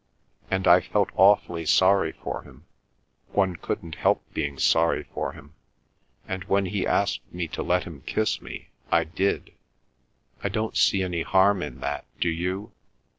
And I felt awfully sorry for him, one couldn't help being sorry for him, and when he asked me to let him kiss me, I did. I don't see any harm in that, do you?